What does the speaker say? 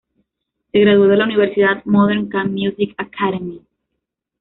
Se graduó de la Universidad Modern K Music Academy.